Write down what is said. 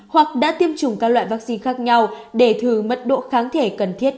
hoặc đã tiêm chủng các loại vaccine khác nhau để thử mất độ kháng thể cần thiết